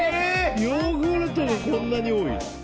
ヨーグルトがこんなに多い。